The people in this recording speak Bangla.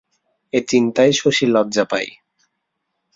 এ চিন্তায় শশী লজ্জা পায়।